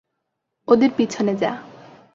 ওদের পিছনে যা।